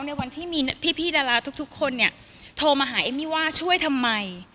ในวันที่มีพี่ดาราทุกคนเนี่ยโทรมาหาเอมมี่ว่าช่วยทำไม